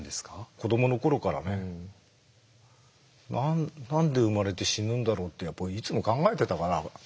子どもの頃からね何で生まれて死ぬんだろうっていつも考えてたから。